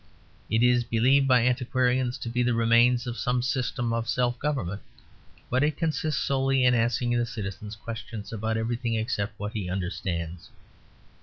It is believed by antiquarians to be the remains of some system of self government; but it consists solely in asking the citizen questions about everything except what he understands.